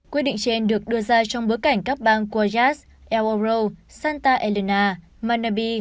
quyết định trên được đưa ra trong bối cảnh các băng guayas el oro santa elena manabi